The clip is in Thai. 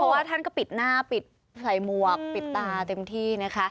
เพราะว่าท่านก็ปิดหน้าปิดใส่หมวกปิดตาเต็มที่นะคะ